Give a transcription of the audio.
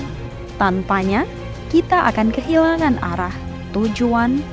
dan tanpanya kita akan kehilangan kemampuan